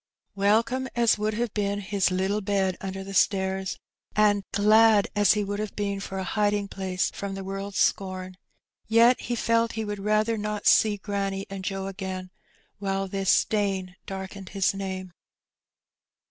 Welcome as would have been his littJe bed under the stairs, and glad as he would have been for a hiding place from the world's scorn, yet he felt he would rather not see granny and Joe again while this stain darkened his name.